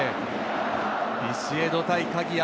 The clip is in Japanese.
ビシエド対鍵谷。